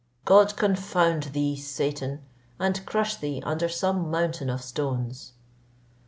God confound thee, Satan? and crush thee under some mountain of stones."